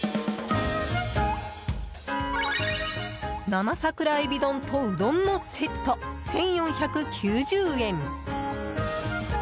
生桜えび丼とうどんのセット１４９０円。